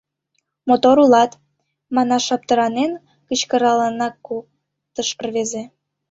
— «Мотор улат» манаш аптыранен, кычкыралынак колтыш рвезе.